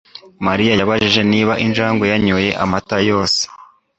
Mariya yabajije niba injangwe yanyoye amata yose